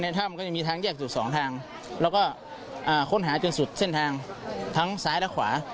ถ้ำก็จะมีทางแยกจุดสองทางแล้วก็ค้นหาจนสุดเส้นทางทั้งซ้ายและขวา